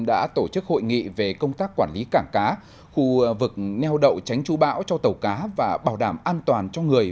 đã tổ chức hội nghị về công tác quản lý cảng cá khu vực neo đậu tránh chú bão cho tàu cá và bảo đảm an toàn cho người